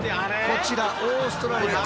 こちらオーストラリアです。